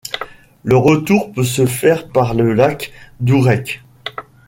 Le retour peut se faire par le lac d'Ourrec.